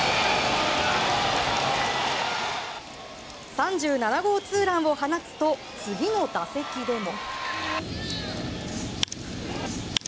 ３７号ツーランを放つと次の打席でも。